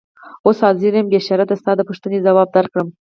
اوس حاضر یم بې شرطه ستا د پوښتنې ځواب درکړم.